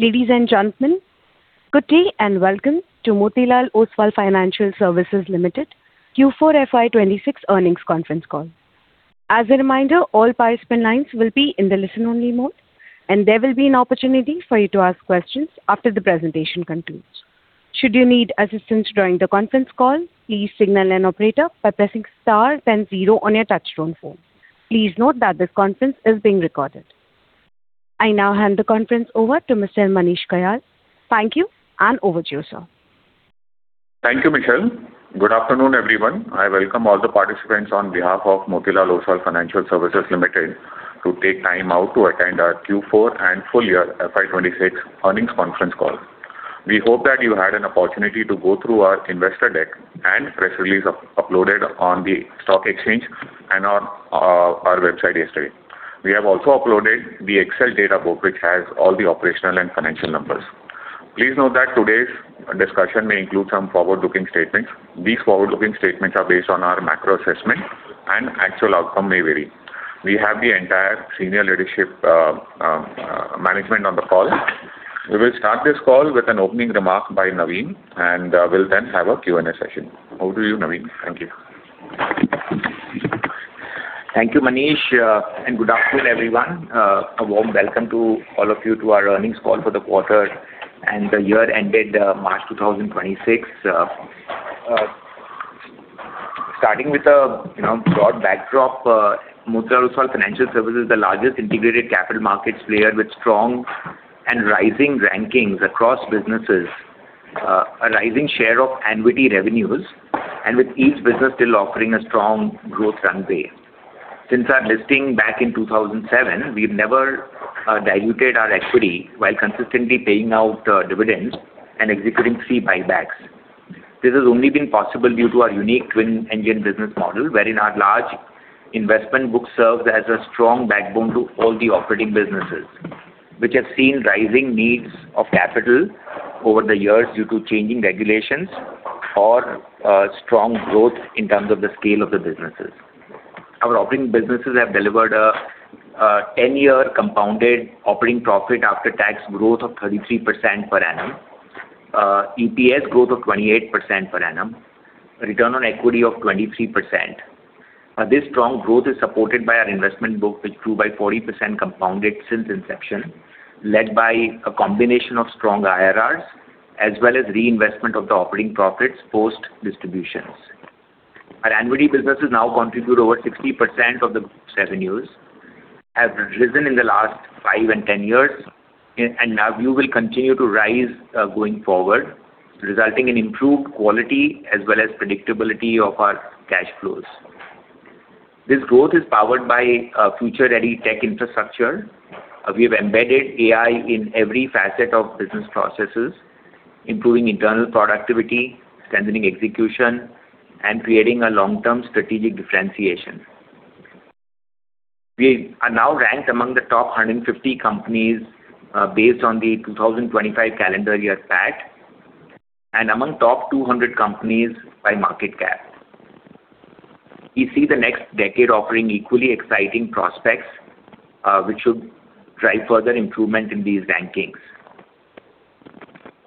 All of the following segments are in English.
Ladies and gentlemen, good day and welcome to Motilal Oswal Financial Services Limited Q4 FY 2026 earnings conference call. As a reminder, all participant lines will be in the listen-only mode. There will be an opportunity for you to ask questions after the presentation concludes. Please note that this conference is being recorded. I now hand the conference over to Mr. Manish Kayal. Thank you. Over to you, Sir. Thank you, Michelle. Good afternoon, everyone. I welcome all the participants on behalf of Motilal Oswal Financial Services Limited to take time out to attend our Q4 and full year FY 2026 earnings conference call. We hope that you had an opportunity to go through our investor deck and press release uploaded on the stock exchange and on our website yesterday. We have also uploaded the Excel data book, which has all the operational and financial numbers. Please note that today's discussion may include some forward-looking statements. These forward-looking statements are based on our macro assessment and actual outcome may vary. We have the entire senior leadership management on the call. We will start this call with an opening remark by Navin, and we'll then have a Q&A session. Over to you, Navin. Thank you. Thank you, Manish. Good afternoon, everyone. A warm welcome to all of you to our earnings call for the quarter and the year ended March 2026. Starting with, you know, broad backdrop, Motilal Oswal Financial Services is the largest integrated Capital Markets player with strong and rising rankings across businesses. A rising share of annuity revenues, with each business still offering a strong growth runway. Since our listing back in 2007, we've never diluted our equity while consistently paying out dividends and executing three buybacks. This has only been possible due to our unique twin-engine business model, wherein our large investment book serves as a strong backbone to all the operating businesses, which have seen rising needs of capital over the years due to changing regulations or strong growth in terms of the scale of the businesses. Our operating businesses have delivered a 10-year compounded operating profit after tax growth of 33% per annum, EPS growth of 28% per annum, return on equity of 23%. This strong growth is supported by our investment book, which grew by 40% compounded since inception, led by a combination of strong IRRs, as well as reinvestment of the operating profits post distributions. Our annuity businesses now contribute over 60% of the group's revenues. Have risen in the last 5 years and 10 years, and will continue to rise going forward, resulting in improved quality as well as predictability of our cash flows. This growth is powered by a future-ready tech infrastructure. We have embedded AI in every facet of business processes, improving internal productivity, strengthening execution, and creating a long-term strategic differentiation. We are now ranked among the top 150 companies based on the 2025 calendar year PAT, and among top 200 companies by market cap. We see the next decade offering equally exciting prospects, which should drive further improvement in these rankings.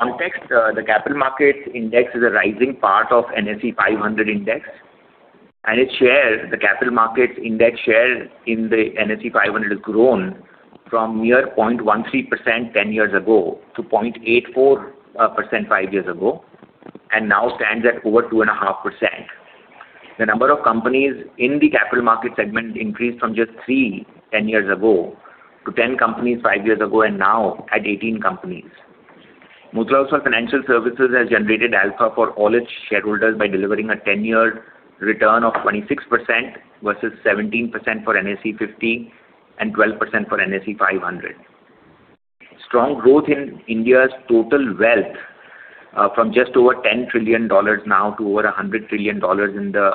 Context, the Capital Markets index is a rising part of NSE 500 index, and its share, the Capital Markets index share in the NSE 500 has grown from mere 0.13%, 10 years ago to 0.84%, five years ago, and now stands at over 2.5%. The number of companies in the Capital Markets segment increased from just three companies, 10 years ago, to 10 companies, five years ago, and now at 18 companies. Motilal Oswal Financial Services has generated alpha for all its shareholders by delivering a 10-year return of 26% versus 17% for NSE 50 and 12% for NSE 500. Strong growth in India's total wealth, from just over INR 10 trillion now to over INR 100 trillion in the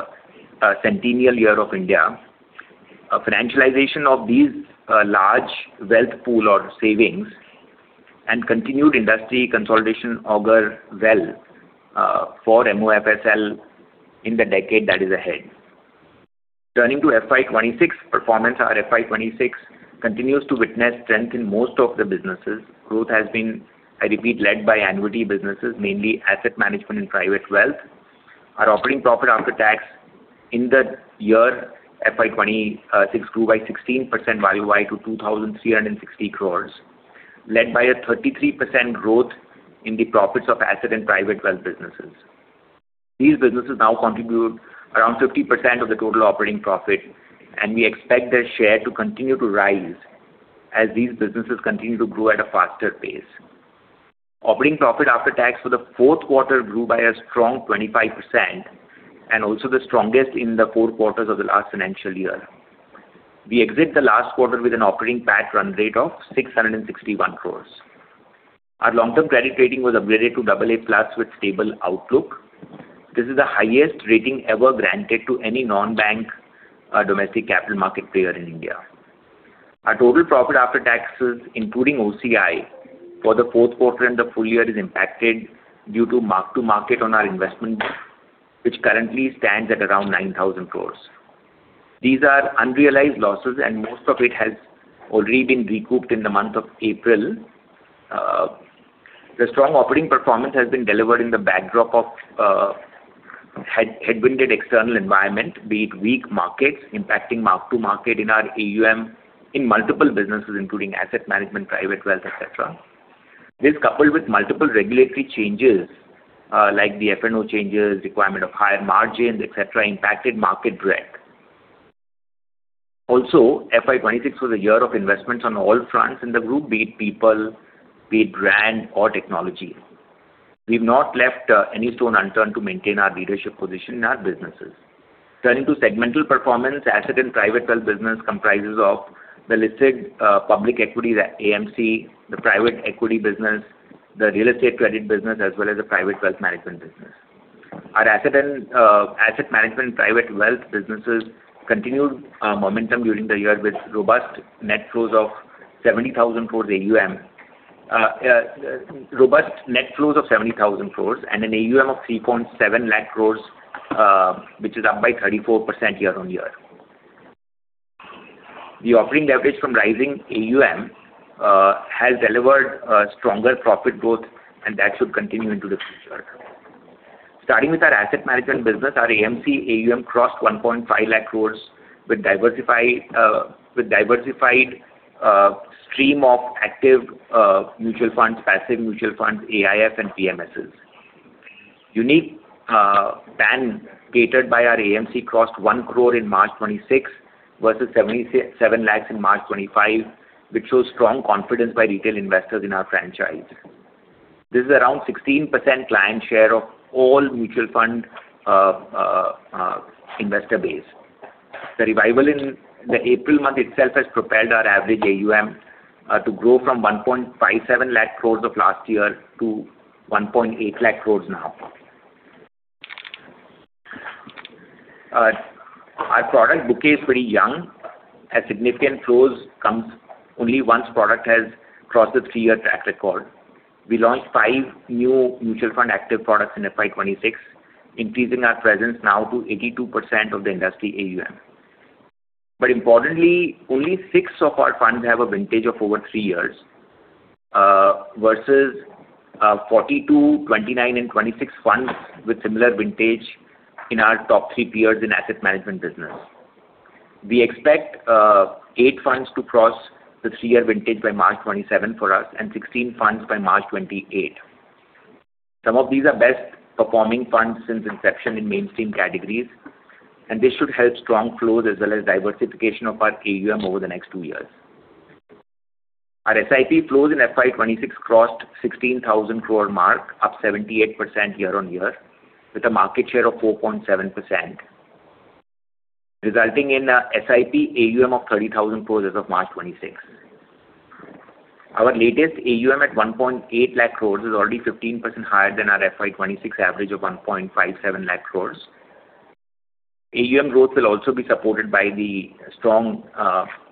centennial year of India. Financialization of these large wealth pool or savings and continued industry consolidation augur well for MOFSL in the decade that is ahead. Turning to FY 2026 performance. Our FY 2026 continues to witness strength in most of the businesses. Growth has been, I repeat, led by annuity businesses, mainly Asset Management and Private Wealth. Our operating profit after tax in the year FY 2026 grew by 16% year-over-year to 2,360 crores, led by a 33% growth in the profits of Asset and Private Wealth businesses. These businesses now contribute around 50% of the total operating profit, and we expect their share to continue to rise as these businesses continue to grow at a faster pace. Operating profit after tax for the fourth quarter grew by a strong 25% and also the strongest in the four quarters of the last financial year. We exit the last quarter with an operating PAT run rate of 661 crores. Our long-term credit rating was upgraded to AA+ with stable outlook. This is the highest rating ever granted to any non-bank domestic capital market player in India. Our total profit after taxes, including OCI, for the fourth quarter and the full year is impacted due to mark-to-market on our investment book, which currently stands at around 9,000 crores. These are unrealized losses, and most of it has already been recouped in the month of April. The strong operating performance has been delivered in the backdrop of headwind external environment, be it weak markets impacting mark-to-market in our AUM in multiple businesses, including Asset Management, Private Wealth, et cetera. This coupled with multiple regulatory changes, like the F&O changes, requirement of higher margins, et cetera, impacted market breadth. FY 2026 was a year of investments on all fronts in the group, be it people, be it brand, or technology. We've not left any stone unturned to maintain our leadership position in our businesses. Turning to segmental performance, Asset and Private Wealth business comprises of the listed public equity, the AMC, the private equity business, the real estate credit business, as well as the Private Wealth Management business. Our Asset Management, Private Wealth businesses continued momentum during the year with robust net flows of 70,000 crores AUM. Robust net flows of 70,000 crores and an AUM of 3.7 lakh crores, which is up by 34% year-on-year. The operating leverage from rising AUM has delivered stronger profit growth, and that should continue into the future. Starting with our Asset Management business, our AMC AUM crossed 1.5 lakh crores with diversified stream of active mutual funds, passive mutual funds, AIF and PMSs. Unique PAN created by our AMC crossed 1 crore in March 2026 versus 77 lakhs in March 2025, which shows strong confidence by retail investors in our franchise. This is around 16% client share of all mutual fund investor base. The revival in the April month itself has propelled our average AUM to grow from 1.57 lakh crores of last year to 1.8 lakh crores now. Our product bouquet is pretty young, as significant flows comes only once product has crossed the 3-year track record. We launched five new mutual fund active products in FY 2026, increasing our presence now to 82% of the industry AUM. Importantly, only six of our funds have a vintage of over three years versus 42 funds, 29 funds and 26 funds with similar vintage in our top three peers in Asset Management business. We expect eight funds to cross the 3-year vintage by March 2027 for us and 16 funds by March 2028. Some of these are best performing funds since inception in mainstream categories. This should help strong flows as well as diversification of our AUM over the next two years. Our SIP flows in FY 2026 crossed 16,000 crore mark, up 78% year-over-year with a market share of 4.7%, resulting in a SIP AUM of 30,000 crore as of March 2026. Our latest AUM at 1.8 lakh crore is already 15% higher than our FY 2026 average of 1.57 lakh crore. AUM growth will also be supported by the strong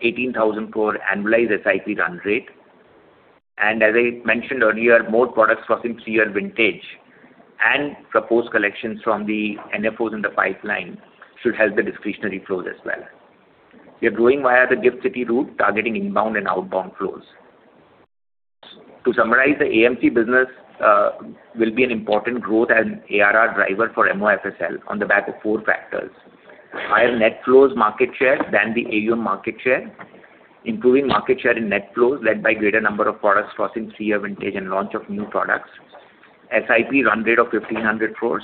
18,000 crore annualized SIP run rate. As I mentioned earlier, more products crossing three-year vintage and proposed collections from the NFOs in the pipeline should help the discretionary flows as well. We are growing via the GIFT City route, targeting inbound and outbound flows. To summarize, the AMC business will be an important growth and ARR driver for MOFSL on the back of four factors: higher net flows market share than the AUM market share, improving market share in net flows led by greater number of products crossing 3-year vintage and launch of new products, SIP run rate of 1,500 crores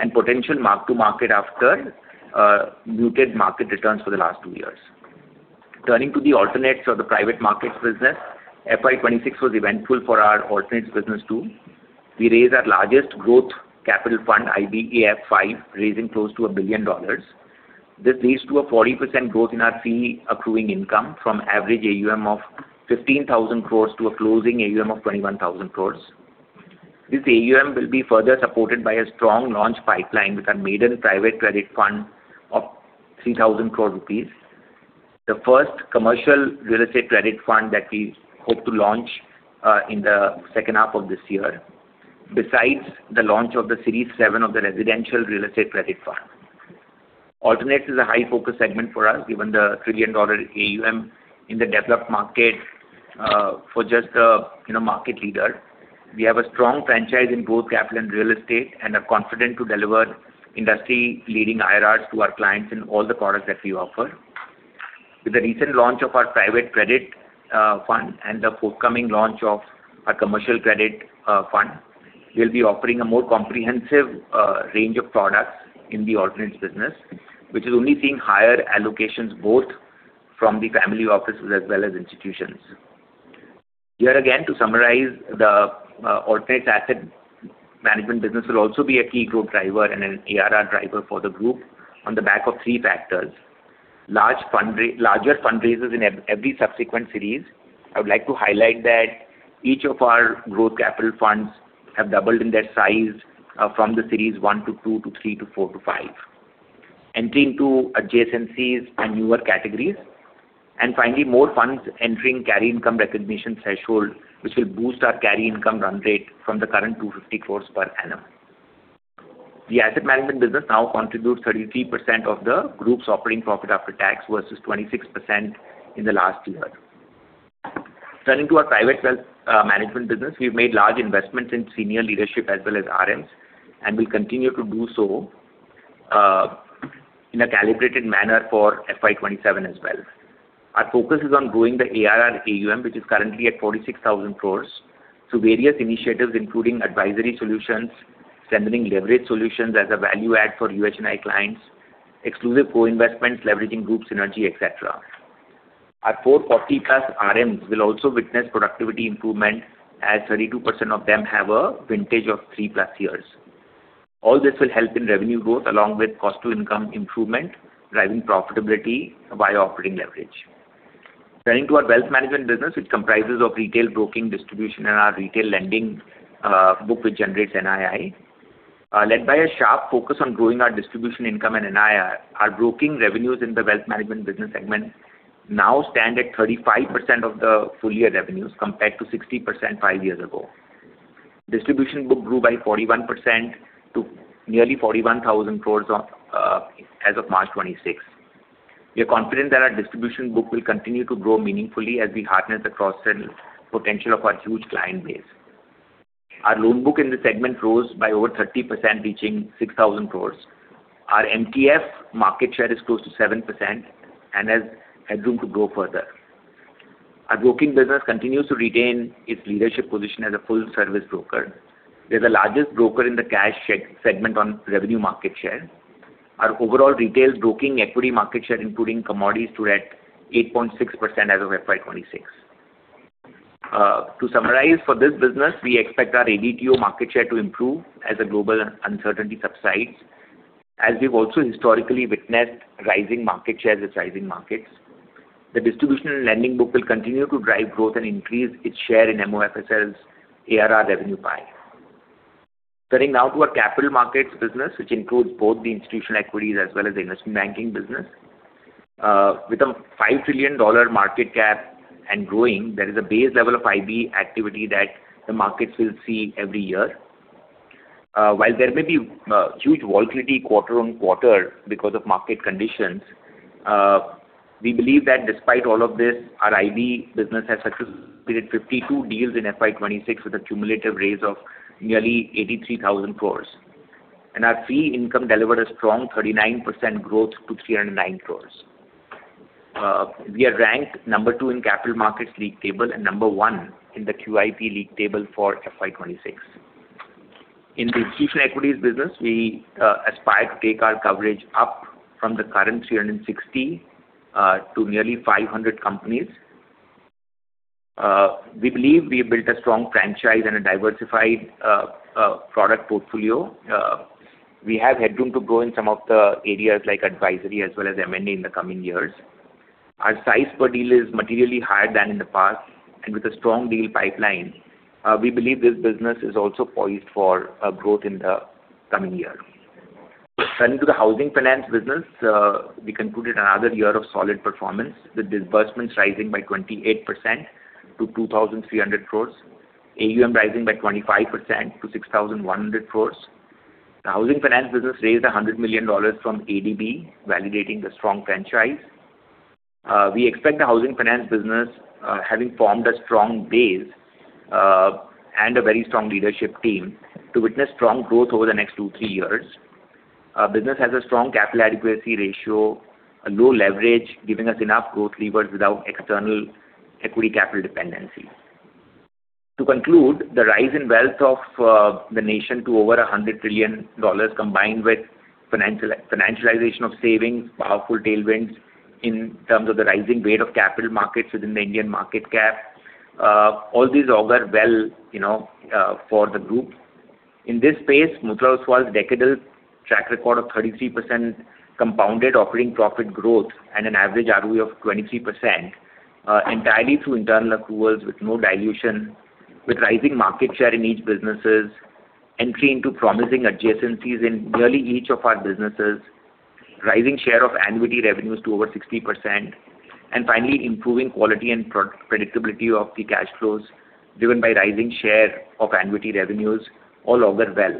and potential mark-to-market after muted market returns for the last two years. Turning to the alternates or the Private Markets business, FY 2026 was eventful for our alternates business too. We raised our largest growth capital fund, IBEF V, raising close to $1 billion. This leads to a 40% growth in our fee accruing income from average AUM of 15,000 crores to a closing AUM of 21,000 crores. This AUM will be further supported by a strong launch pipeline with our maiden private credit fund of 3,000 crore rupees. The first commercial real estate credit fund that we hope to launch in the second half of this year. Besides the launch of the Series VII of the residential real estate credit fund. Alternates is a high focus segment for us, given the $1 trillion AUM in the developed market, for just, you know, market leader. We have a strong franchise in both capital and real estate and are confident to deliver industry-leading IRRs to our clients in all the products that we offer. With the recent launch of our private credit fund and the forthcoming launch of our commercial credit fund, we'll be offering a more comprehensive range of products in the alternates business. Which is only seeing higher allocations both from the family offices as well as institutions. Here again, to summarize, the alternate Asset Management business will also be a key growth driver and an ARR driver for the group on the back of three factors: larger fundraisers in every subsequent series. I would like to highlight that each of our growth capital funds have doubled in their size from the Series I-II, to III, to IV, to V. Entry into adjacencies and newer categories. Finally, more funds entering carry income recognition threshold, which will boost our carry income run rate from the current 250 crores per annum. The Asset Management business now contributes 33% of the group's operating profit after tax versus 26% in the last year. Turning to our Private Wealth Management business, we've made large investments in senior leadership as well as RMs, and we'll continue to do so in a calibrated manner for FY 2027 as well. Our focus is on growing the ARR AUM, which is currently at 46,000 crores, through various initiatives, including advisory solutions, centering leverage solutions as a value add for UHNI clients, exclusive co-investments leveraging group synergy, et cetera. Our 440+ RMs will also witness productivity improvement as 32% of them have a vintage of 3+ years. All this will help in revenue growth along with cost to income improvement, driving profitability via operating leverage. Turning to our Wealth Management business, which comprises of retail broking distribution and our retail lending book which generates NII. Led by a sharp focus on growing our distribution income and NII, our broking revenues in the Wealth Management business segment now stand at 35% of the full year revenues compared to 60% five years ago. Distribution book grew by 41% to nearly 41,000 crores as of March 26. We are confident that our distribution book will continue to grow meaningfully as we harness the cross-sell potential of our huge client base. Our loan book in this segment rose by over 30%, reaching 6,000 crores. Our MTF market share is close to 7% and has headroom to grow further. Our Broking business continues to retain its leadership position as a full-service broker. We're the largest broker in the cash segment on revenue market share. Our overall retail broking equity market share, including commodities, stood at 8.6% as of FY 2026. To summarize, for this business, we expect our ADTO market share to improve as the global uncertainty subsides, as we've also historically witnessed rising market shares in rising markets. The distribution and lending book will continue to drive growth and increase its share in MOFSL's ARR revenue pie. Turning now to our Capital Markets business, which includes both the institutional equities as well as the investment banking business. With $5 trillion market cap and growing, there is a base level of IB activity that the markets will see every year. While there may be huge volatility quarter on quarter because of market conditions, we believe that despite all of this, our IB business has successfully completed 52 deals in FY 2026 with a cumulative raise of nearly 83,000 crores. Our fee income delivered a strong 39% growth to 309 crores. We are ranked number two in Capital Markets league table and number one in the QIB league table for FY 2026. In the Institutional Equities business, we aspire to take our coverage up from the current 360 to nearly 500 companies. We believe we have built a strong franchise and a diversified product portfolio. We have headroom to grow in some of the areas like advisory as well as M&A in the coming years. Our size per deal is materially higher than in the past. With a strong deal pipeline, we believe this business is also poised for growth in the coming year. Turning to the Housing Finance business, we concluded another year of solid performance, with disbursements rising by 28% to 2,300 crores, AUM rising by 25% to 6,100 crores. The Housing Finance business raised $100 million from ADB, validating the strong franchise. We expect the Housing Finance business, having formed a strong base, and a very strong leadership team, to witness strong growth over the next two, three years. Our business has a strong capital adequacy ratio, a low leverage, giving us enough growth levers without external equity capital dependency. To conclude, the rise in wealth of the nation to over INR 100 trillion, combined with financialization of savings, powerful tailwinds in terms of the rising weight of Capital Markets within the Indian market cap. All these augur well, you know, for the group. In this space, Motilal Oswal's decadal track record of 33% compounded operating profit growth and an average ROE of 23%, entirely through internal accruals with no dilution, with rising market share in each businesses. Entry into promising adjacencies in nearly each of our businesses, rising share of annuity revenues to over 60%, and finally improving quality and pro-predictability of the cash flows driven by rising share of annuity revenues all augur well.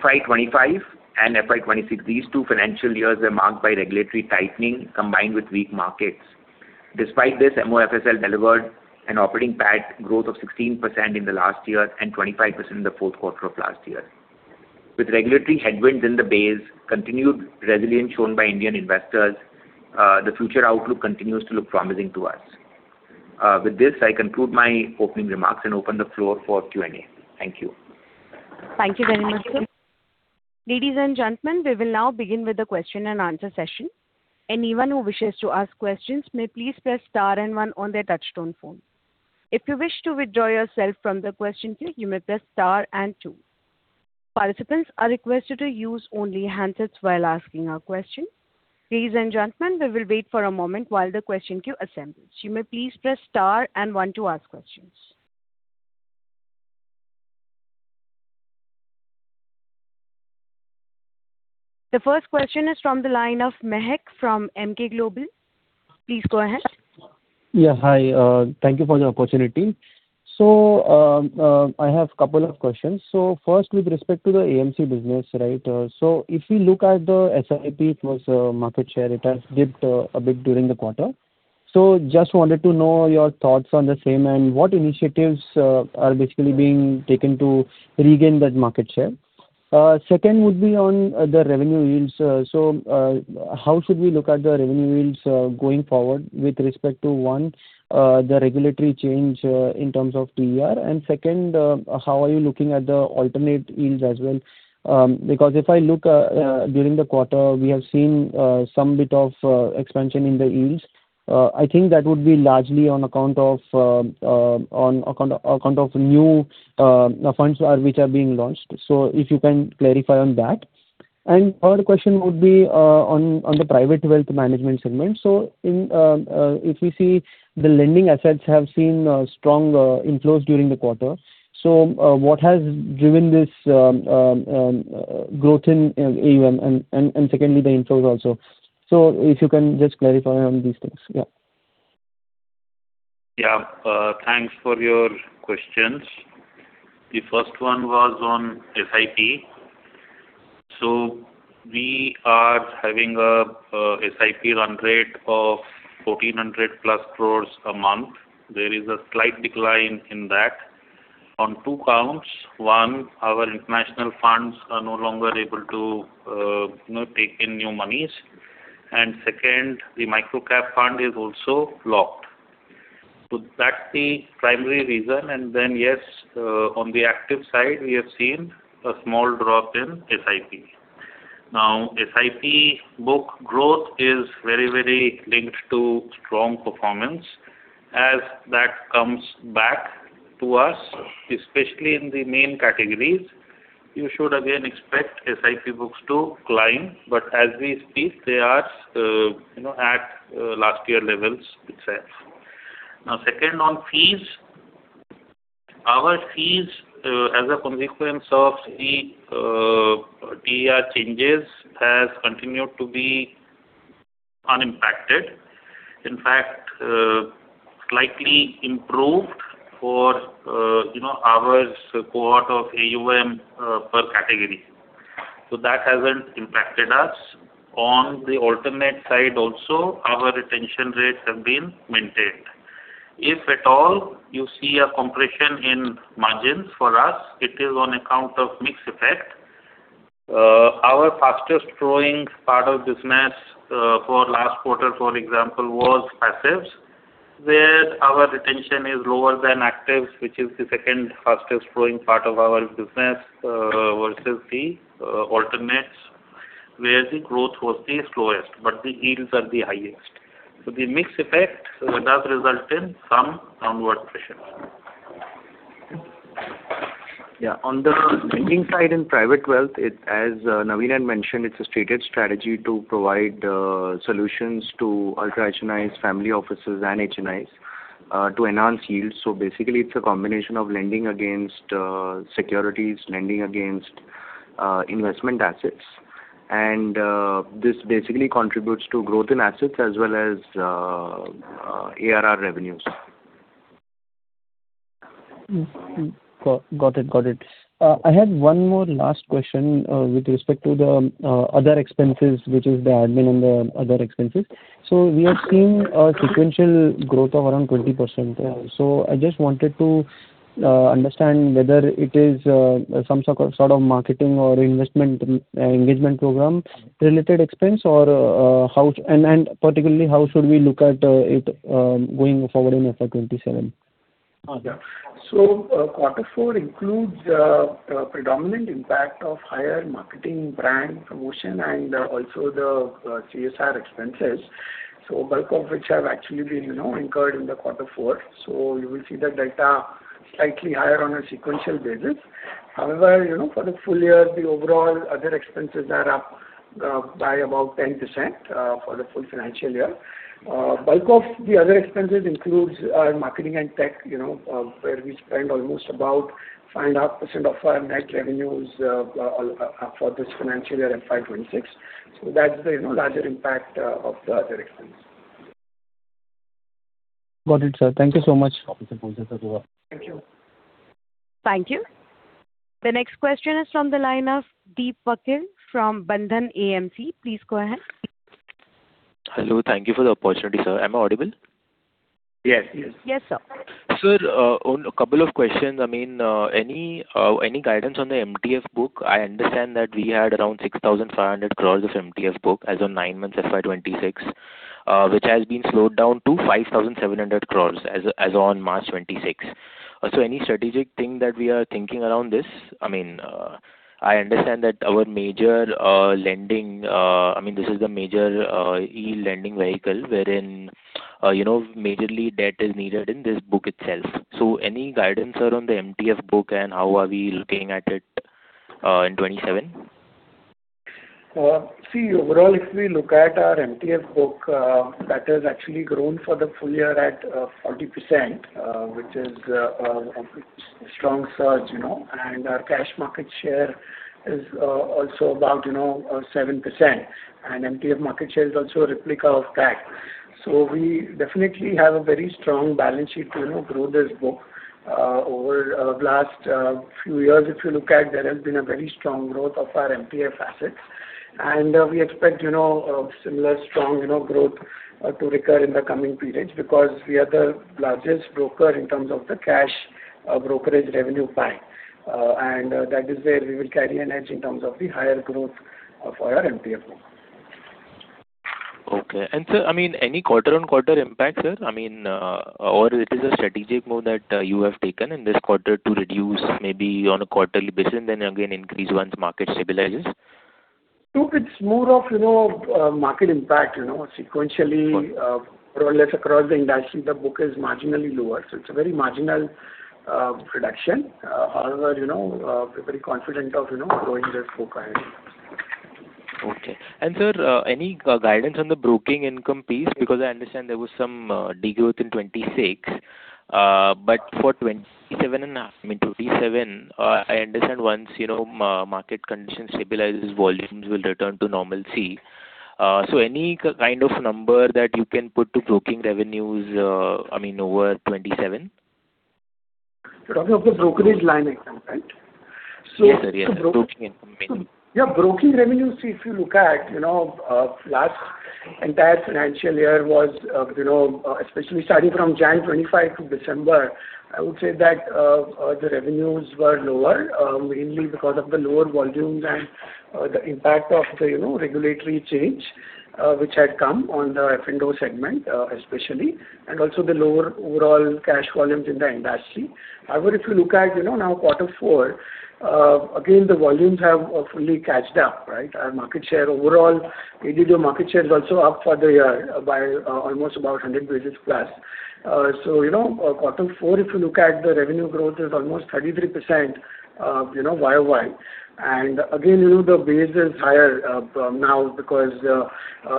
FY 2025 and FY 2026, these two financial years were marked by regulatory tightening combined with weak markets. Despite this, MOFSL delivered an operating PAT growth of 16% in the last year and 25% in the fourth quarter of last year. With regulatory headwinds in the base, continued resilience shown by Indian investors, the future outlook continues to look promising to us. With this, I conclude my opening remarks and open the floor for Q&A. Thank you. Thank you very much, Sir. Ladies and gentlemen, we will now begin with the question and answer session. Anyone who wishes to ask questions may please press star and one on their touchtone phone. If you wish to withdraw yourself from the question queue, you may press star and two. Participants are requested to use only handsets while asking a question. Ladies and gentlemen, we will wait for a moment while the question queue assembles. You may please press star and one to ask questions. The first question is from the line of Mahek Shah from Emkay Global. Please go ahead. Hi. Thank you for the opportunity. I have a couple of questions. First, with respect to the AMC business, right? If you look at the SIP+ market share, it has dipped a bit during the quarter. Just wanted to know your thoughts on the same and what initiatives are basically being taken to regain that market share? Second would be on the revenue yields. How should we look at the revenue yields going forward with respect to, one, the regulatory change in terms of TER? And second, how are you looking at the alternate yields as well? Because if I look, during the quarter, we have seen some bit of expansion in the yields. I think that would be largely on account of new funds which are being launched. If you can clarify on that. Third question would be on the Private Wealth Management segment. If we see the lending assets have seen strong inflows during the quarter. What has driven this growth in AUM and secondly, the inflows also? If you can just clarify on these things? Yeah. Thanks for your questions. The first one was on SIP. We are having a SIP run rate of 1,400+ crores a month. There is a slight decline in that on two counts. One, our international funds are no longer able to, you know, take in new monies. Second, the micro-cap fund is also locked. That's the primary reason. Yes, on the active side, we have seen a small drop in SIP. SIP book growth is very, very linked to strong performance. As that comes back to us, especially in the main categories, you should again expect SIP books to climb. As we speak, they are, you know, at last year levels itself. Second on fees. Our fees, as a consequence of the TER changes, has continued to be unimpacted. In fact, slightly improved for, you know, our cohort of AUM per category. That hasn't impacted us. On the alternate side also, our retention rates have been maintained. If at all you see a compression in margins for us, it is on account of mix effect. Our fastest-growing part of business, for last quarter, for example, was passives, where our retention is lower than actives. Which is the second fastest-growing part of our business, versus the alternates, where the growth was the slowest, but the yields are the highest. The mix effect, that does result in some downward pressure. On the lending side in Private Wealth, as Navin had mentioned, it's a stated strategy to provide solutions to Ultra HNIs, Family Offices and HNIs to enhance yields. Basically it's a combination of lending against securities, lending against investment assets. This basically contributes to growth in assets as well as ARR revenues. Got it. I had one more last question with respect to the other expenses, which is the admin and the other expenses. We have seen a sequential growth of around 20%. I just wanted to understand whether it is some sort of marketing or investment engagement program-related expense? Or particularly, how should we look at it going forward in FY 2027? Quarter four includes predominant impact of higher marketing brand promotion and also the CSR expenses, bulk of which have actually been incurred in the quarter four. You will see the data slightly higher on a sequential basis. However, for the full year, the overall other expenses are up by about 10% for the full financial year. Bulk of the other expenses includes marketing and tech, where we spend almost about 5.5% of our net revenues for this financial year at 5.6%. That's the larger impact of the other expense. Got it, Sir. Thank you so much. Thank you. The next question is from the line of Deep Vakil from Bandhan AMC. Please go ahead. Hello. Thank you for the opportunity, Sir. Am I audible? Yes. Yes. Yes, Sir. Sir, on a couple of questions. I mean, any guidance on the MTF book? I understand that we had around 6,500 crore of MTF book as of nine months FY 2026, which has been slowed down to 5,700 crore as on March 2026. Any strategic thing that we are thinking around this? I mean, I understand that our major yield lending vehicle wherein, you know, majorly debt is needed in this book itself. Any guidance, Sir, on the MTF book and how are we looking at it in 2027? Overall, if we look at our MTF book, that has actually grown for the full year at 40%, which is a strong surge, you know. Our cash market share is also about, you know, 7%. MTF market share is also a replica of that. We definitely have a very strong balance sheet to, you know, grow this book. Over last few years, if you look at, there has been a very strong growth of our MTF Assets. We expect, you know, similar strong, you know, growth to recur in the coming periods because we are the largest broker in terms of the cash brokerage revenue pie. That is where we will carry an edge in terms of the higher growth of our MTF book. Okay. Sir, I mean, any quarter-on-quarter impact, sir? I mean, or it is a strategic move that you have taken in this quarter to reduce maybe on a quarterly basis and then again increase once market stabilizes? No, it's more of, you know, market impact, you know, more or less across the industry, the book is marginally lower. It's a very marginal reduction. However, you know, we're very confident of, you know, growing this book ahead. Okay. Sir, any guidance on the broking income piece? I understand there was some degrowth in 2026. for 2027 and half, I mean, 2027, I understand once, you know, market conditions stabilizes, volumes will return to normalcy. Any kind of number that you can put to broking revenues, I mean, over 2027? You're talking of the brokerage line item, right? Yes, Sir. Yes. Broking income, mainly. Broking revenues, if you look at, you know, last entire financial year was, you know, especially starting from January 25, 2025-December 2025, I would say that the revenues were lower, mainly because of the lower volumes and the impact of the, you know, regulatory change, which had come on the F&O segment, especially. And also the lower overall cash volumes in the industry. If you look at, you know, now quarter four, again, the volumes have fully catched up, right? Our market share overall, ADTO market share is also up for the year by almost about 100 basis points. You know, quarter four if you look at the revenue growth is almost 33%, you know, year-over-year. Again, you know, the base is higher now because,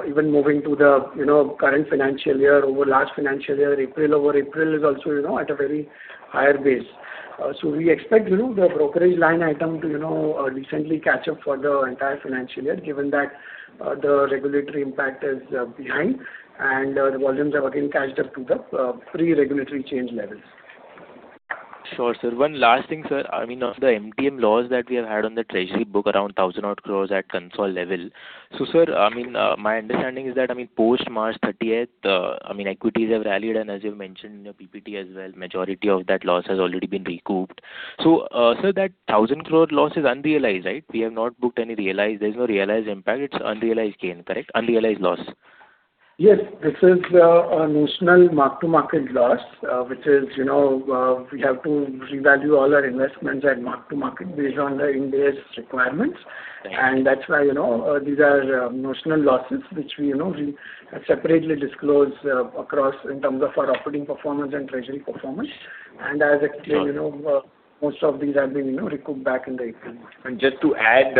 even moving to the, you know, current financial year over last financial year, April over April is also, you know, at a very higher base. So we expect, you know, the brokerage line item to, you know, decently catch up for the entire financial year, given that the regulatory impact is behind and the volumes have again caught up to the pre-regulatory change levels. Sure, sir. One last thing, sir. I mean, of the MTM loss that we have had on the treasury book around 1,000 odd crores at consolidated level. Sir, I mean, my understanding is that, I mean, post-March 30th, I mean equities have rallied and as you've mentioned in your PPT as well, majority of that loss has already been recouped. Sir, that 1,000 crore loss is unrealized, right? We have not booked any realized. There's no realized impact. It's unrealized gain, correct? Unrealized loss. Yes. This is, a notional mark-to-market loss, which is, you know, we have to revalue all our investments at mark-to-market based on the Ind-AS requirements. Okay. That's why, you know, these are notional losses which we, you know, we separately disclose across in terms of our operating performance and treasury performance. As I explained, you know, most of these have been, you know, recouped back in the equity market. Just to add,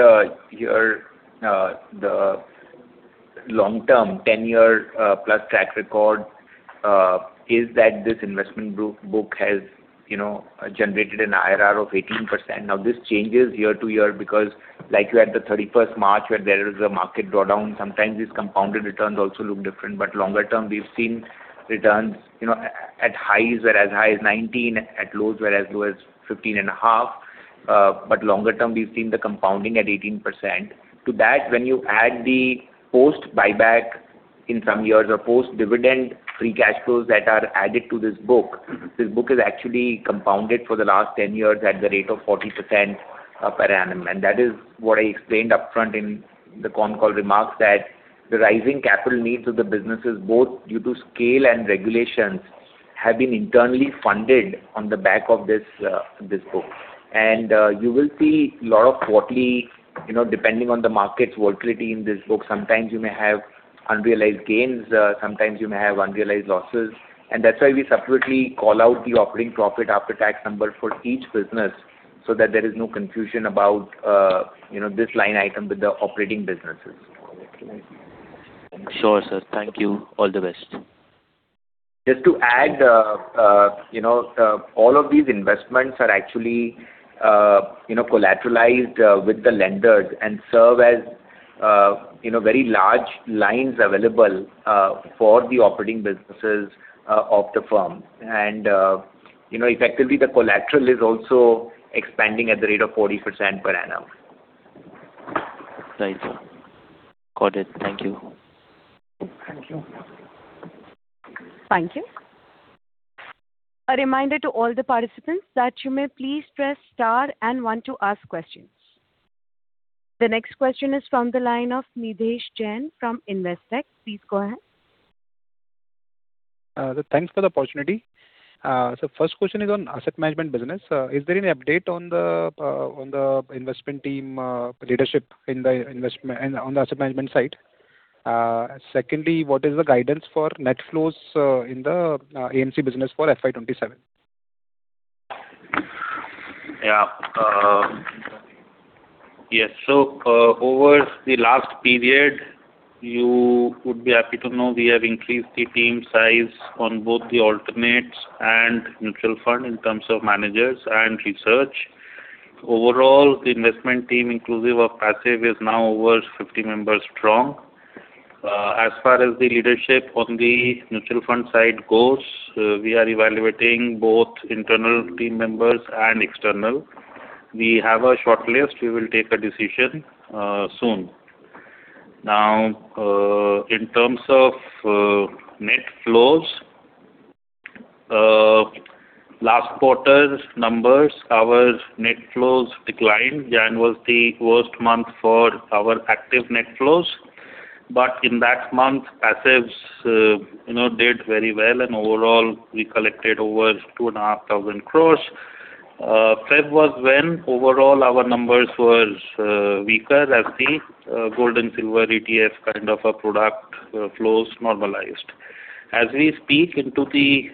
here, the long-term 10+ year track record is that this investment book has, you know, generated an IRR of 18%. This changes year-to-year because like you had the 31st March where there is a market drawdown, sometimes these compounded returns also look different. Longer term, we've seen returns, you know, at highs were as high as 19%, at lows were as low as 15.5%. Longer term, we've seen the compounding at 18%. To that, when you add the post-buyback in some years or post-dividend free cash flows that are added to this book, this book is actually compounded for the last 10 years at the rate of 40% per annum. That is what I explained upfront in the con call remarks that the rising capital needs of the businesses, both due to scale and regulations, have been internally funded on the back of this book. You will see lot of quarterly, you know, depending on the market's volatility in this book, sometimes you may have unrealized gains, sometimes you may have unrealized losses. That's why we separately call out the operating profit after tax number for each business so that there is no confusion about, you know, this line item with the operating businesses. Sure, Sir. Thank you. All the best. Just to add, you know, all of these investments are actually, you know, collateralized, with the lenders and serve as, you know, very large lines available, for the operating businesses, of the firm. You know, effectively the collateral is also expanding at the rate of 40% per annum. Right, Sir. Got it. Thank you. Thank you. Thank you. A reminder to all the participants that you may please press star and one to ask questions. The next question is from the line of Nidhesh Jain from Investec. Please go ahead. Thanks for the opportunity. First question is on Asset Management business. Is there any update on the on the investment team leadership in the investment and on the Asset Management side? Secondly, what is the guidance for net flows in the AMC business for FY 2027? Yeah. Yes. Over the last period, you would be happy to know we have increased the team size on both the alternates and mutual fund in terms of managers and research. Overall, the investment team inclusive of passive is now over 50 members strong. As far as the leadership on the mutual fund side goes, we are evaluating both internal team members and external. We have a shortlist. We will take a decision soon. Now, in terms of net flows, last quarter's numbers, our net flows declined. January was the worst month for our active net flows. In that month, passives, you know, did very well and overall we collected over 2,500 crores. February was when overall our numbers was weaker as the gold and silver ETF kind of a product, flows normalized. As we speak into the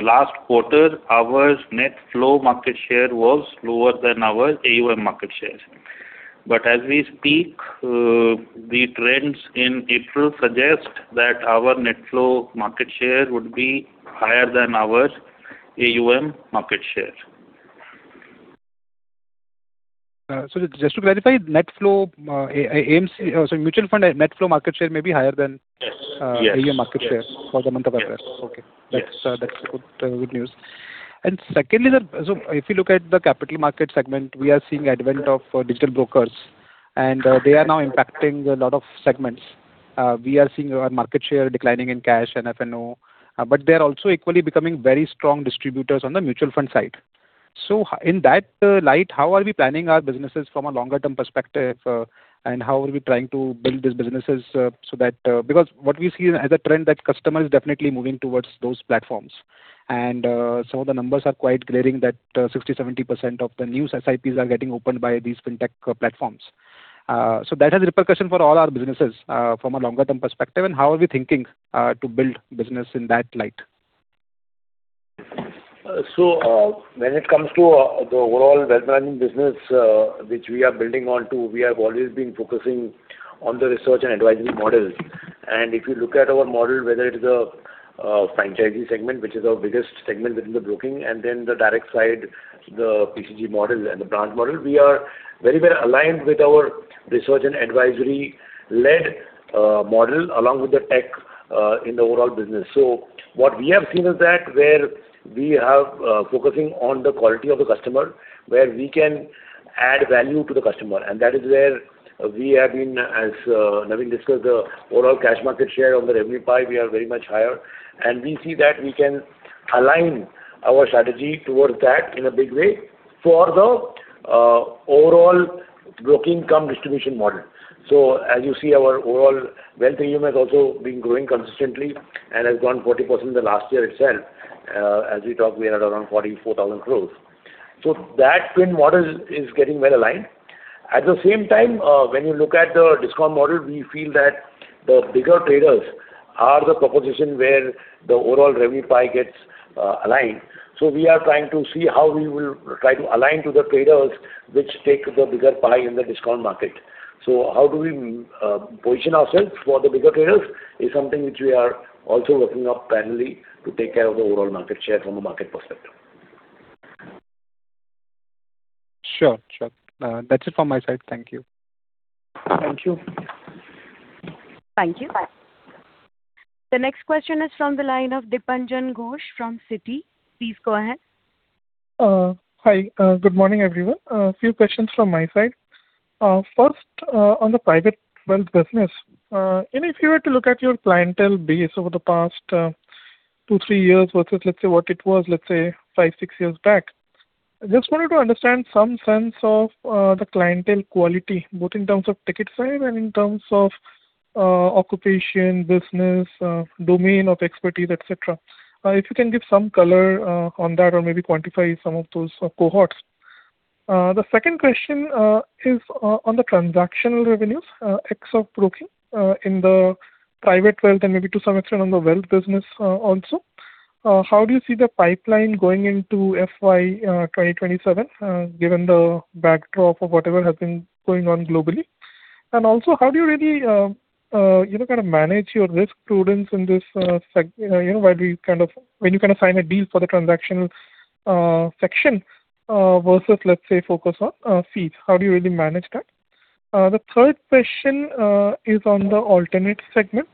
last quarter, our net flow market share was lower than our AUM market share. As we speak, the trends in April suggest that our net flow market share would be higher than our AUM market share. Just to clarify, net flow, sorry, mutual fund net flow market share may be higher than? Yes. Yes. AUM market share? Yes. For the month of April? Yes. Okay. That's good news. Secondly, if you look at the Capital Market segment, we are seeing advent of digital brokers, and they are now impacting a lot of segments. We are seeing our market share declining in cash and F&O, but they are also equally becoming very strong distributors on the mutual fund side. In that light, how are we planning our businesses from a longer term perspective, and how are we trying to build these businesses so that. Because what we see as a trend that customer is definitely moving towards those platforms. Some of the numbers are quite glaring that 60%-70% of the new SIPs are getting opened by these FinTech platforms. That has a repercussion for all our businesses, from a longer term perspective, and how are we thinking to build business in that light? When it comes to the overall Wealth Management business, which we are building on to, we have always been focusing on the research and advisory models. If you look at our model, whether it is a Franchisee segment, which is our biggest segment within the Broking, and then the direct side, the PCG model and the branch model. We are very well aligned with our research and advisory-led model along with the tech in the overall business. What we have seen is that where we have focusing on the quality of the customer, where we can add value to the customer, and that is where we have been as Navin discussed the overall cash market share of the revenue pie, we are very much higher. We see that we can align our strategy towards that in a big way for the overall broking cum distribution model. As you see, our overall wealth AUM has also been growing consistently and has grown 40% in the last year itself. As we talked, we are at around 44,000 crores. That twin model is getting well aligned. At the same time, when you look at the discount model, we feel that the bigger traders are the proposition where the overall revenue pie gets aligned. We are trying to see how we will try to align to the traders which take the bigger pie in the discount market. How do we position ourselves for the bigger traders is something which we are also working on internally to take care of the overall market share from a market perspective. Sure. That's it from my side. Thank you. Thank you. Thank you. The next question is from the line of Dipanjan Ghosh from Citi. Please go ahead. Hi. Good morning, everyone. A few questions from my side. First, on the private wealth business. If you were to look at your clientele base over the past two, three years versus let's say what it was, let's say five, six years back. I just wanted to understand some sense of the clientele quality, both in terms of ticket size and in terms of occupation, business, domain of expertise, et cetera. If you can give some color on that or maybe quantify some of those cohorts. The second question is on the transactional revenues, ex of Broking, in the Private Wealth and maybe to some extent on the wealth business also. How do you see the pipeline going into FY 2027? Given the backdrop of whatever has been going on globally? Also, how do you really, you know, kind of manage your risk prudence in this when you kind of sign a deal for the transactional section versus let's say focus on fees? How do you really manage that? The third question is on the alternate segment.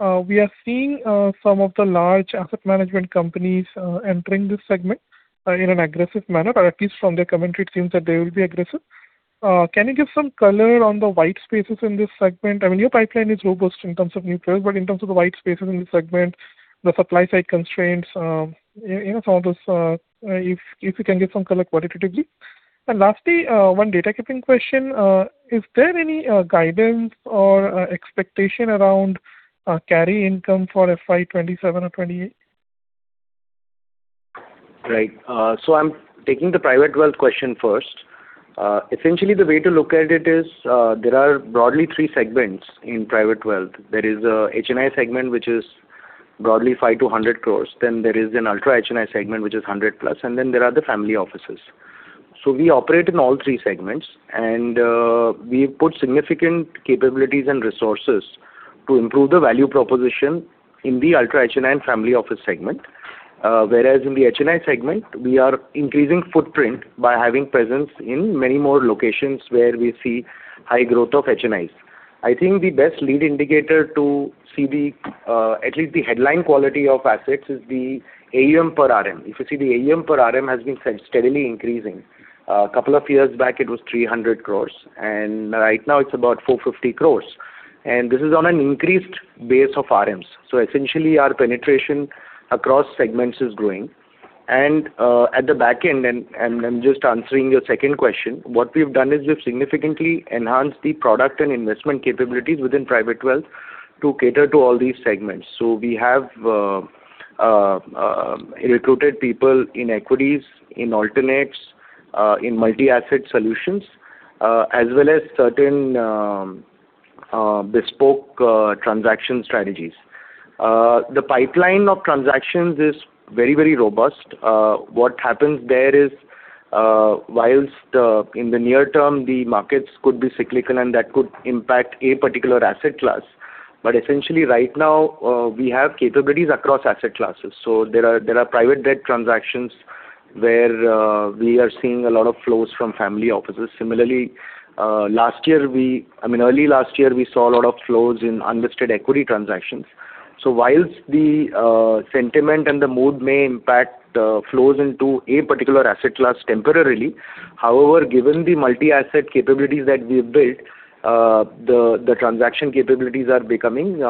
We are seeing some of the large Asset Management companies entering this segment in an aggressive manner, or at least from their commentary, it seems that they will be aggressive. Can you give some color on the white spaces in this segment? I mean, your pipeline is robust in terms of new players, but in terms of the white spaces in this segment, the supply side constraints, you know, some of those, if you can give some color qualitatively? Lastly, one data keeping question. Is there any guidance or expectation around carry income for FY 2027 or 2028? Right. I'm taking the Private Wealth question first. Essentially the way to look at it is, there are broadly three segments in Private Wealth. There is a HNI segment which is broadly 5 crore-100 crore. There is an Ultra HNI segment, which is 100+, and then there are the Family Offices. We operate in all three segments, and we've put significant capabilities and resources to improve the value proposition in the Ultra HNI and Family Office segment. Whereas in the HNI segment, we are increasing footprint by having presence in many more locations where we see high growth of HNIs. I think the best lead indicator to see the at least the headline quality of Assets is the AUM per RM. If you see the AUM per RM has been steadily increasing. A couple of years back, it was 300 crore, and right now it's about 450 crore. This is on an increased base of RMs. Essentially, our penetration across segments is growing. At the back end, I'm just answering your second question, what we've done is we've significantly enhanced the product and investment capabilities within private wealth to cater to all these segments. We have recruited people in equities, in alternates, in multi-asset solutions, as well as certain bespoke transaction strategies. The pipeline of transactions is very, very robust. What happens there is, whilst in the near term, the markets could be cyclical and that could impact a particular asset class. Essentially, right now, we have capabilities across asset classes. There are private debt transactions where we are seeing a lot of flows from family Offices. Similarly, last year, early last year, we saw a lot of flows in unlisted equity transactions. Whilst the sentiment and the mood may impact flows into a particular asset class temporarily, however, given the multi-asset capabilities that we've built. The transaction capabilities are becoming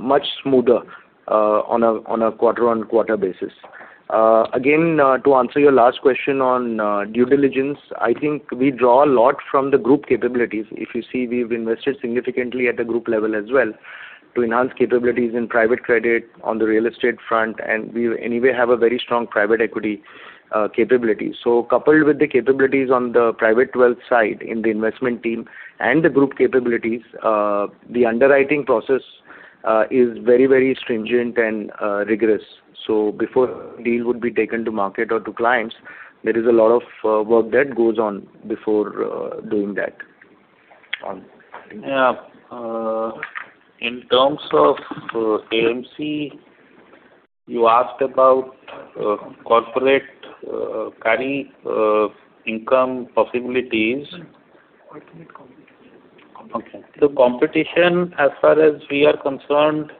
much smoother on a quarter-on-quarter basis. Again, to answer your last question on due diligence, I think we draw a lot from the group capabilities. If you see, we've invested significantly at the group level as well to enhance capabilities in private credit on the real estate front. And we anyway have a very strong private equity capability. Coupled with the capabilities on the Private Wealth side in the investment team and the group capabilities. The underwriting process is very stringent and rigorous. Before a deal would be taken to market or to clients, there is a lot of work that goes on before doing that. Yeah. In terms of AMC, you asked about corporate carry income possibilities. Alternate competition. Okay. Competition, as far as we are concerned,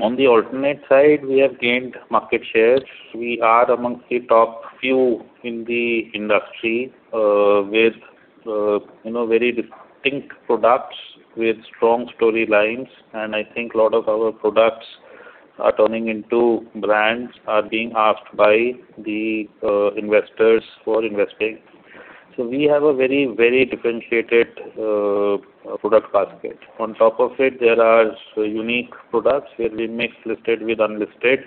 on the alternate side, we have gained market shares. We are amongst the top few in the industry, with, you know, very distinct products with strong storylines. I think a lot of our products are turning into brands are being asked by the investors for investing. We have a very, very differentiated product basket. On top of it, there are unique products where we mix listed with unlisted.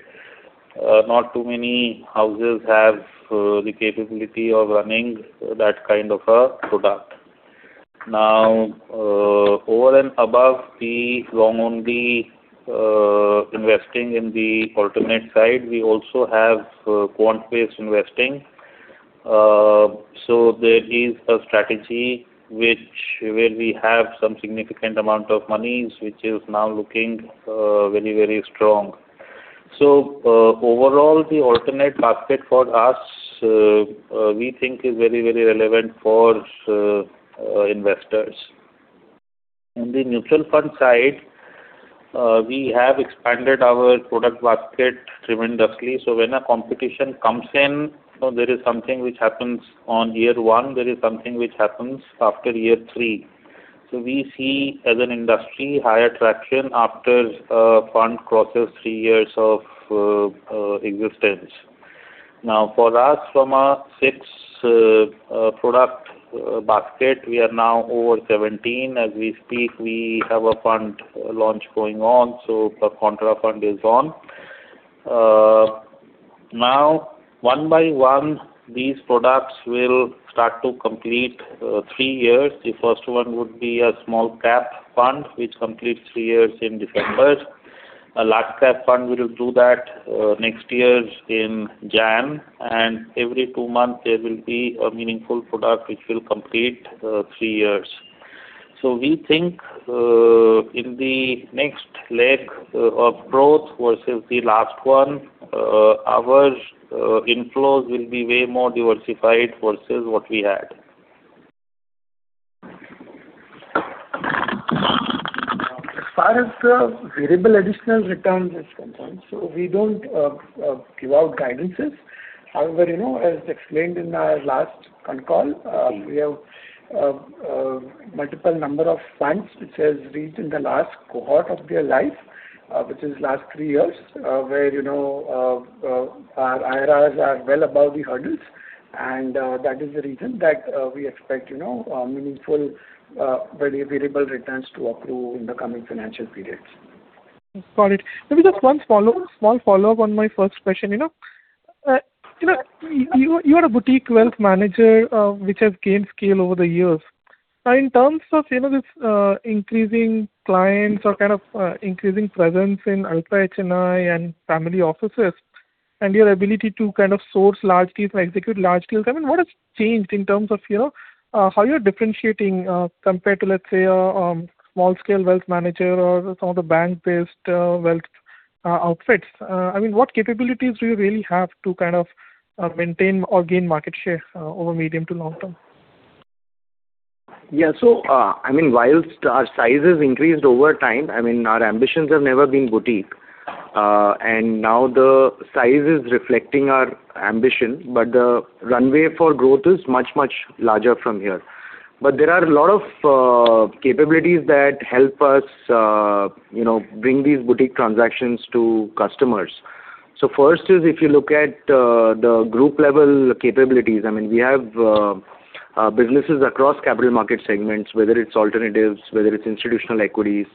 Not too many houses have the capability of running that kind of a product. Now, over and above the long-only investing in the alternate side, we also have quant-based investing. There is a strategy where we have some significant amount of monies, which is now looking very, very strong. Overall, the alternate basket for us, we think is very, very relevant for investors. On the mutual fund side, we have expanded our product basket tremendously. When a competition comes in, there is something which happens on year one, there is something which happens after year three. We see as an industry higher traction after a fund crosses three years of existence. For us, from a six product basket, we are now over 17. As we speak, we have a fund launch going on, so a contra fund is on. One by one, these products will start to complete three years. The first one would be a small cap fund, which completes three years in December. A large cap fund will do that next year in January. Every two months, there will be a meaningful product which will complete, three years. We think, in the next leg, of growth versus the last one. Our inflows will be way more diversified versus what we had. As far as the variable additional returns is concerned, we don't give out guidances. However, you know, as explained in our last con call, we have multiple number of funds which has reached in the last cohort of their life, which is last three years, where, you know, our IRRs are well above the hurdles. That is the reason that we expect, you know, meaningful very variable returns to accrue in the coming financial periods. Got it. Maybe just one follow-up, small follow-up on my first question, you know. You are a boutique Wealth Manager, which has gained scale over the years. Now, in terms of, you know, this, increasing clients or kind of, increasing presence in Ultra HNI and Family Offices and your ability to kind of source large deals and execute large deals. I mean, what has changed in terms of, you know, how you're differentiating, compared to, let's say, a small scale wealth manager or some of the bank-based wealth outfits? I mean, what capabilities do you really have to kind of, maintain or gain market share, over medium to long term? Yeah. I mean, while our size has increased over time, I mean, our ambitions have never been boutique. Now the size is reflecting our ambition, but the runway for growth is much, much larger from here. There are a lot of capabilities that help us, you know, bring these boutique transactions to customers. First is, if you look at the group level capabilities, I mean, we have businesses across capital market segments, whether it's alternatives, whether it's institutional equities,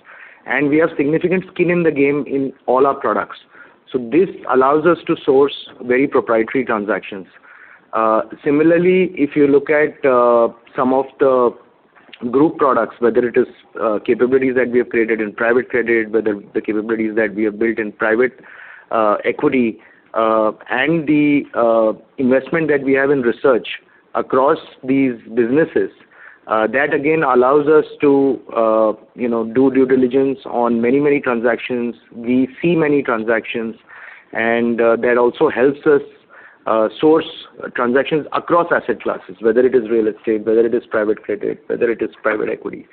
and we have significant skin in the game in all our products. This allows us to source very proprietary transactions. Similarly, if you look at some of the group products, whether it is capabilities that we have created in private credit, whether the capabilities that we have built in private equity, and the investment that we have in research across these businesses, that again allows us to, you know, do due diligence on many, many transactions. We see many transactions, and that also helps us source transactions across Asset classes, whether it is real estate, whether it is private credit, whether it is private equity.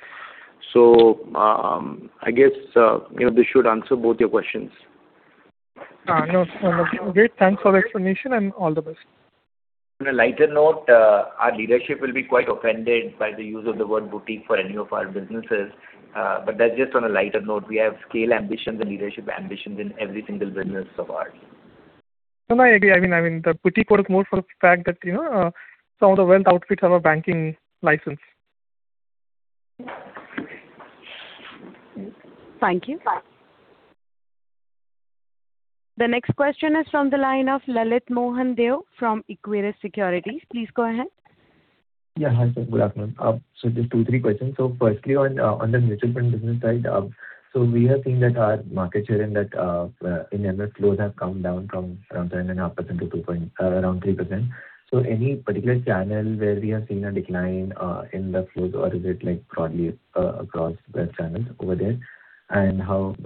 I guess, you know, this should answer both your questions. No, great. Thanks for the explanation and all the best. On a lighter note, our leadership will be quite offended by the use of the word boutique for any of our businesses. That's just on a lighter note. We have scale ambitions and leadership ambitions in every single business of ours. No, I agree. I mean, the boutique word is more for the fact that, you know, some of the wealth outfits have a banking license. Thank you. The next question is from the line of Lalit Deo from Equirus Securities. Please go ahead. Yeah. Hi, Sir. Good afternoon. Just 2 questions-3 questions. Firstly on the Mutual Fund business side, we have seen that our market share in that, in SIP flows have come down from around 7.5% to around 3%. Any particular channel where we have seen a decline in the flows? Or is it like broadly across the channels over there? While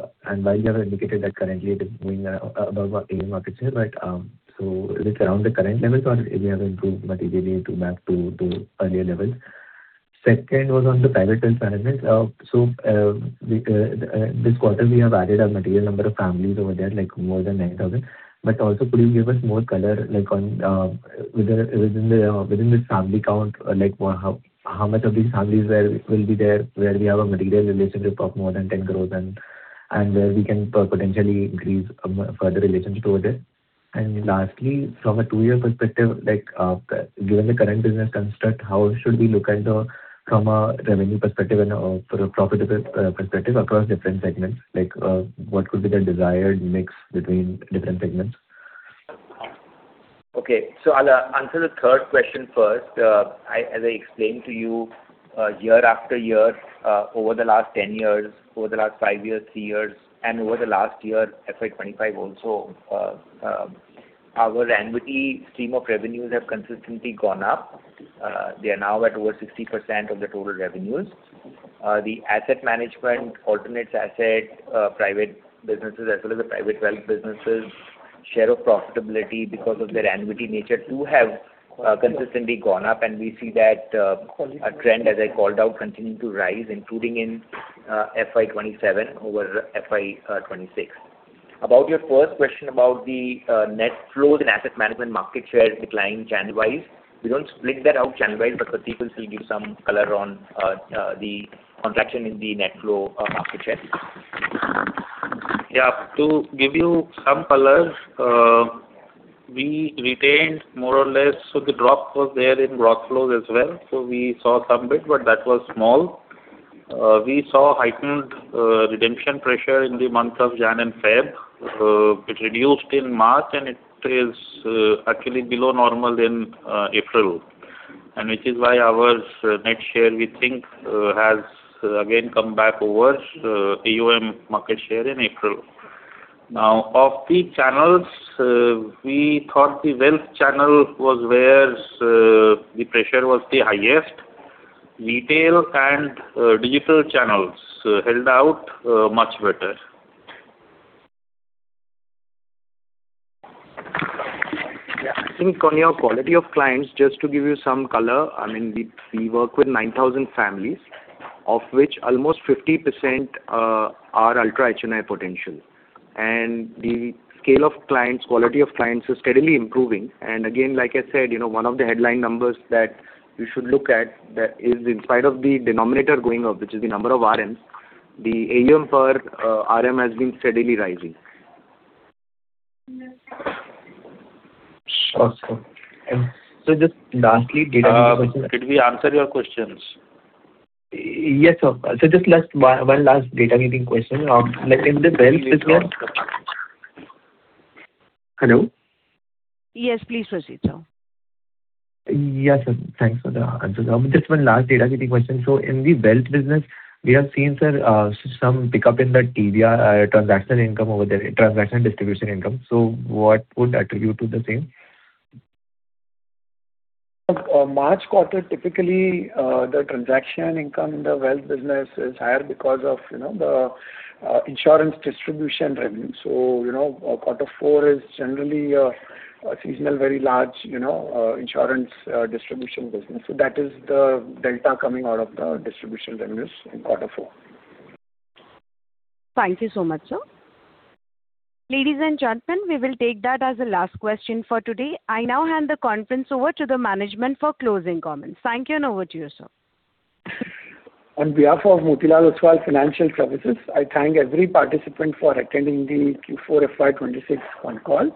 you have indicated that currently it is going above AUM market share, is it around the current levels or it may have improved materially back to earlier levels? Second was on the Private Wealth Management. This quarter we have added a material number of families over there, like more than 9,000. Also could you give us more color, like on within this family count, like how much of these families will be there where we have a material relationship of more than 10 crores and where we can potentially increase further relations over there? Lastly, from a 2-year perspective, like given the current business construct, how should we look at from a revenue perspective and for a profitable perspective across different segments? Like what could be the desired mix between different segments? I'll answer the third question first. I, as I explained to you, year-after-year, over the last 10 years, over the last five years, three years, and over the last year, FY 2025 also, our annuity stream of revenues have consistently gone up. They are now at over 60% of the total revenues. The Asset Management, alternates asset, private businesses as well as the Private Wealth businesses share of profitability because of their annuity nature too have consistently gone up. We see that a trend as I called out continuing to rise including in FY 2027 over FY 2026. About your first question about the net flows and Asset Management market share decline channel-wise, we don't split that out channel-wise. [Satish] will still give some color on the contraction in the net flow market share. Yeah. To give you some color, we retained more or less. The drop was there in gross flows as well. We saw some bit, but that was small. We saw heightened redemption pressure in the month of January and February. It reduced in March and it is actually below normal in April. Which is why our net share we think has again come back over AUM market share in April. Of the channels, we thought the wealth channel was where the pressure was the highest. Retail and digital channels held out much better. I think on your quality of clients, just to give you some color, I mean, we work with 9,000 families, of which almost 50% are Ultra HNI potential. The scale of clients, quality of clients is steadily improving. Again, like I said, you know, one of the headline numbers that you should look at that is in spite of the denominator going up, which is the number of RMs, the AUM per RM has been steadily rising. Awesome. Did we answer your questions? Yes, Sir. Just last, one last data keeping question. Like in the Wealth business? Hello? Yes, please proceed, sir. Yes, sir. Thanks for the answers. Just one last data keeping question. In the Wealth business, we have seen, Sir, some pickup in the TDR, transaction income over there, transaction distribution income. What would attribute to the same? March quarter, typically, the transaction income in the Wealth business is higher because of, you know, the Insurance distribution Revenue. You know, quarter four is generally a seasonal very large, you know, Insurance Distribution business. That is the delta coming out of the distribution revenues in quarter four. Thank you so much, Sir. Ladies and gentlemen, we will take that as the last question for today. I now hand the conference over to the management for closing comments. Thank you and over to you, Sir. On behalf of Motilal Oswal Financial Services, I thank every participant for attending the Q4 FY 2026 phone call.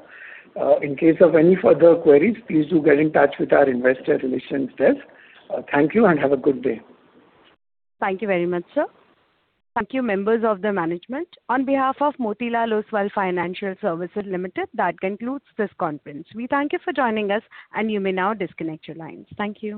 In case of any further queries, please do get in touch with our investor relations desk. Thank you and have a good day. Thank you very much, Sir. Thank you, members of the management. On behalf of Motilal Oswal Financial Services Limited, that concludes this conference. We thank you for joining us and you may now disconnect your lines. Thank you.